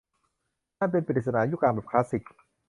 นั่นเป็นปริศนายุคกลางแบบคลาสสิก